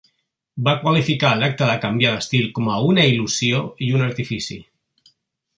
Va qualificar l'acte de canviar d'estil com una "il·lusió" i un "artifici".